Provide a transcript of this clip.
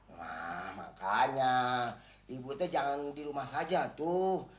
nah makanya ibu tuh jangan di rumah saja tuh